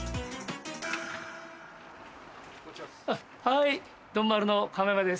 はい。